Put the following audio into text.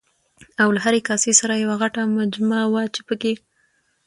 او له هرې کاسې سره یوه غټه مجمه وه چې پکې